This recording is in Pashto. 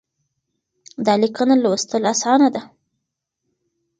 دا ليکنه لوستل اسانه ده.